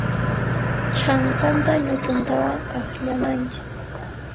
Chhanqanta ñut'untawan akllananchis.